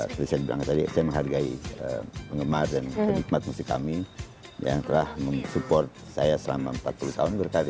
seperti saya bilang tadi saya menghargai penggemar dan penikmat musik kami yang telah mensupport saya selama empat puluh tahun berkarya